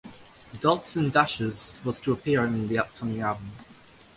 "Dots and Dashes" was to appear on the upcoming album.